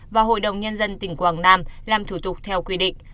và hội đồng nhân dân tỉnh quảng nam làm thủ tục theo quy định